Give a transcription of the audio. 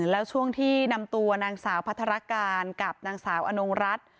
แล้วช่วงที่นำตัวนางสาวพัฒนาการกับนางสาวอนงรัฐ